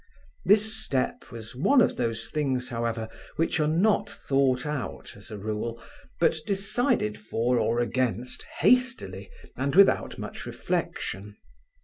This step was one of those things, however, which are not thought out, as a rule, but decided for or against hastily, and without much reflection.